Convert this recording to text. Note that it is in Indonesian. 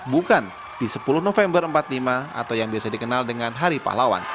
bukan di sepuluh november seribu sembilan ratus lima atau yang biasa dikenal dengan hari pahlawan